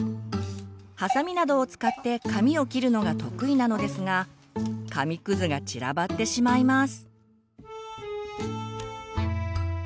ハサミなどを使って紙を切るのが得意なのですが紙くずが散らばってしまいます。